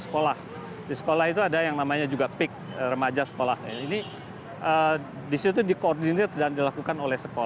sekolah di sekolah itu ada yang namanya juga pic remaja sekolah ini disitu di koordinir dan dilakukan